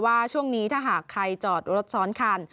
ว่าช่วงนี้ถ้าหากใครจอดรถซ้อนคัน